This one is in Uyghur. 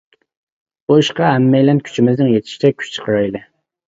بۇ ئىشقا ھەممەيلەن كۈچىمىزنىڭ يېتىشىچە كۈچ چىقىرايلى.